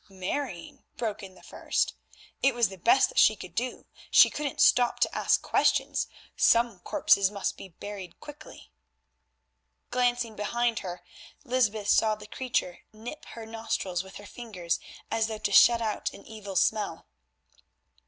"Marrying?" broke in the first, "it was the best that she could do. She couldn't stop to ask questions. Some corpses must be buried quickly." Glancing behind her, Lysbeth saw the creature nip her nostrils with her fingers, as though to shut out an evil smell.